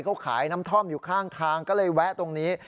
เขาขายน้ำท่อมอยู่ข้างทางก็เลยแวะตรงนี้